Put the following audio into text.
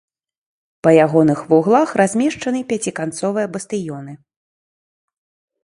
Па ягоных вуглах размешчаны пяціканцовыя бастыёны.